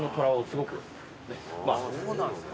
そうなんですね。